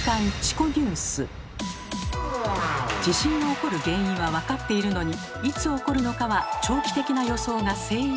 地震が起こる原因は分かっているのにいつ起こるのかは長期的な予想が精いっぱい。